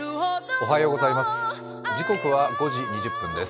おはようございます。